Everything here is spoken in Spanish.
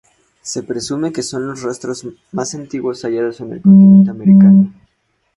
Se presume que son los rastros más antiguos hallados en el continente americano.